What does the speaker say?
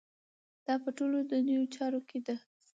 دا په ټولو دنیوي چارو کې ده.